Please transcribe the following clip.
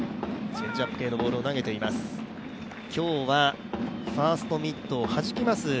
今日はファーストミットをはじきます